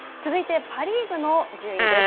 続いてパ・リーグの順位です。